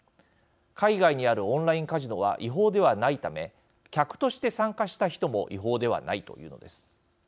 海外にあるオンラインカジノは違法ではないため客として参加した人も違法ではないというのです。